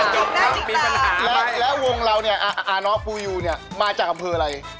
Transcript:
จบแล้วมีปัญหาไหมครับแล้ววงเราเนี่ยอปูยูเนี่ยมาจากอำเภออะไร